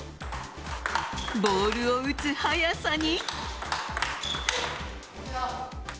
ボールを打つ速さに。